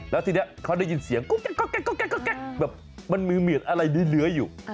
แล้วทีนี้เขาได้ยินเสียงก็โก๊ะมันเหมือมีอะไรได้เลื้อยอยู่